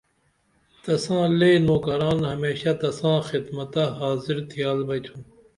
تساں لے نوکران ہمیشہ تساں خدمتہ حاظر تھیال بیئتُھن